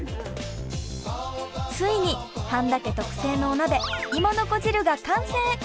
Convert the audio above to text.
ついに半田家特製のお鍋芋の子汁が完成！